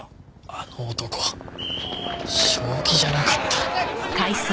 あの男正気じゃなかった。